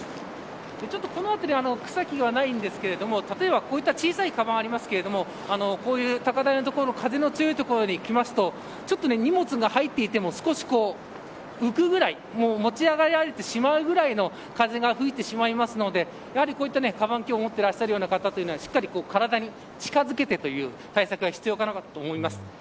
この辺り草木がないんですけれど例えばこういった小さいかばんがありますが高台の所風も強い所に来ますとちょっと荷物が入っていても少し浮くぐらい持ち上げられてしまうぐらいの風が吹いてしまいますのでこういったかばんを持っていらっしゃる方はしっかり、体に近づけてという対策が必要かなと思います。